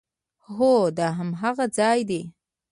هو، دا هماغه ځای ده